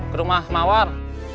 ke rumah mawar